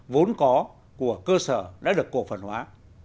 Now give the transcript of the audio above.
vốn có của cơ sở đã được cổ phần hóa